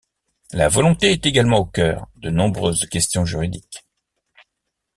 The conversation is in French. La volonté est également au cœur de nombreuses questions juridiques.